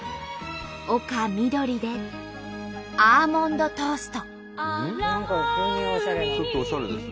丘みどりで「アーモンドトースト」。